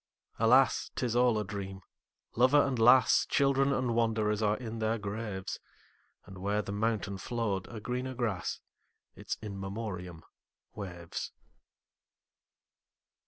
Alas! 't is all a dream. Lover and lass, Children and wanderers, are in their graves; And where the fountain flow'd a greener grass—Its In Memoriam—waves.